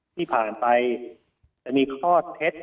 ที่ผ่านไปจะมีข้อเท็จจริง